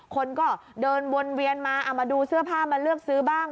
คนก็เดินวนเวียนมาเอามาดูเสื้อผ้ามาเลือกซื้อบ้าง